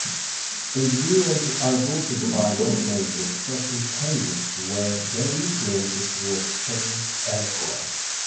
Individuals are grouped by nationality, except in cases where their influence was felt elsewhere.